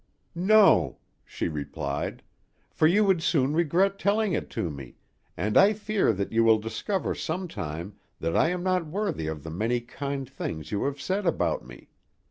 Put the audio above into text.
"No," she replied; "for you would soon regret telling it to me, and I fear that you will discover some time that I am not worthy of the many kind things you have said about me.